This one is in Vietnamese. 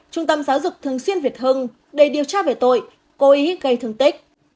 trung tâm giáo dục thường xuyên việt hưng để điều tra về tội cố ý gây thương tích